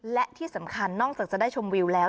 และที่สำคัญนอกจากจะได้ชมวิวแล้ว